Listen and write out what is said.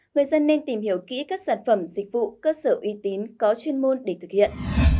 người dân nên tìm hiểu kỹ các sản phẩm dịch vụ cơ sở uy tín có chuyên môn để thực hiện